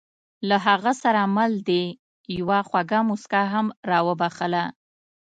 له هغه سره مل دې یوه خوږه موسکا هم را وبښله.